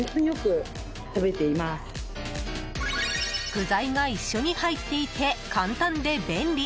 具材が一緒に入っていて簡単で便利。